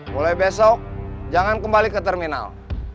mulai besok jangan kembali ke terminal